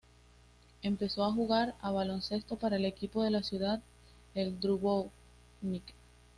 Empezó a jugar a baloncesto para el equipo de la ciudad, el Dubrovnik.